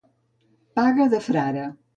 Paga de frare.